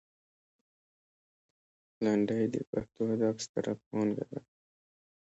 لنډۍ د پښتو ادب ستره پانګه ده.